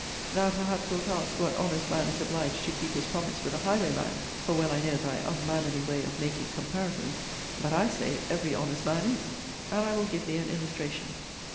Thou, perhaps, wilt ask, what honest man is obliged to keep his promise with a highwayman? for well I know thy unmannerly way of making comparisons; but I say, every honest man is and I will give thee an illustration.